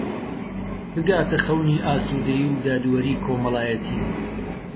بگاتە خەونی ئاسوودەیی و دادوەریی کۆمەڵایەتی